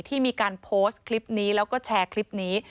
ที่มีการโพสต์คลิปนี้แล้วก็แชร์คลิปนี้